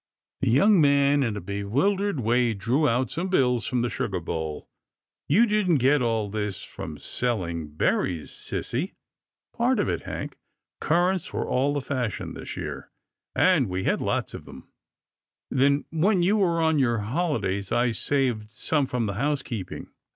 The young man, in a bewildered way, drew out some bills from the sugar bowl. " You didn't get all this from selling berries, sissy ?"" Part of it, Hank. Currants were all the fash THE MATTER WITH GRAMPA 29 ion this year, and we had lots of them. Then when you were on your holidays, I saved some from the housekeeping."